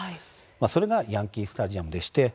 それがヤンキースタジアムです。